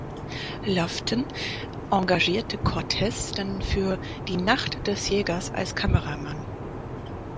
Laughton engagierte Cortez dann für "Die Nacht des Jägers" als Kameramann.